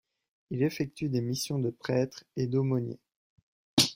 Il effectue des missions de prêtre et d'aumônier.